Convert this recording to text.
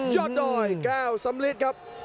ยอดดอยแก้วสำลิดครับ